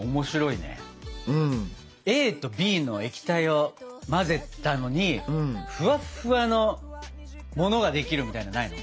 ＡとＢの液体を混ぜたのにふわっふわのものができるみたいなのないの？